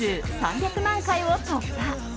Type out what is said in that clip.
数３００万回を突破。